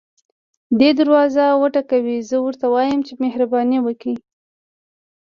دی دروازه وټکوي زه ورته ووایم چې مهرباني وکړئ.